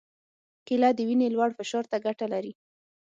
کېله د وینې لوړ فشار ته ګټه لري.